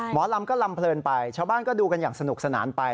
หมอลำก็ลำเลินไปชาวบ้านก็ดูกันอย่างสนุกสนานไป